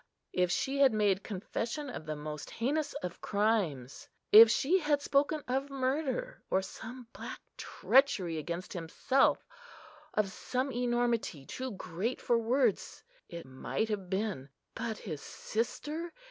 If she had made confession of the most heinous of crimes,—if she had spoken of murder, or some black treachery against himself,—of some enormity too great for words, it might have been; but his sister!